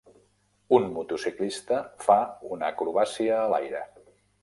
Un motociclista fa una acrobàcia a l'aire.